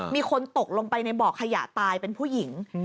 มีคนตกลงไปในบ่อขยะตายเป็นผู้หญิง